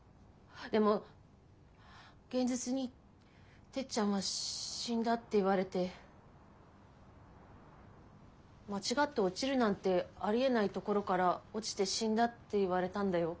でも現実にてっちゃんは死んだって言われて間違って落ちるなんてありえない所から落ちて死んだって言われたんだよ？